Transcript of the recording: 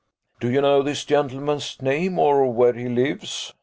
"Do you know this gentleman's name, or where he lives?"